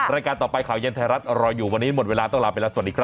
รายการต่อไปข่าวเย็นไทยรัฐรออยู่วันนี้หมดเวลาต้องลาไปแล้วสวัสดีครับ